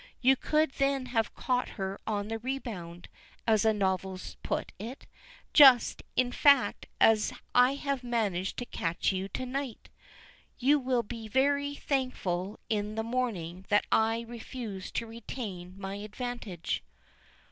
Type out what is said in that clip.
You could then have caught her on the rebound, as the novels put it, just, in fact, as I have managed to catch you to night. You will be very thankful in the morning that I refused to retain my advantage."